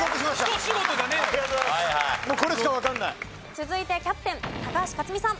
続いてキャプテン高橋克実さん。